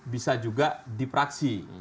bisa juga dipraksi